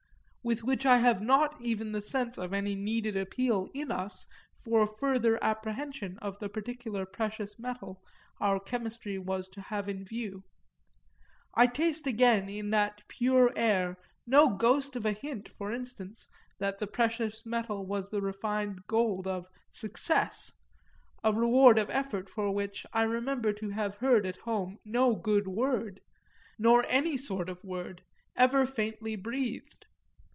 With which I have not even the sense of any needed appeal in us for further apprehension of the particular precious metal our chemistry was to have in view. I taste again in that pure air no ghost of a hint, for instance, that the precious metal was the refined gold of "success" a reward of effort for which I remember to have heard at home no good word, nor any sort of word, ever faintly breathed.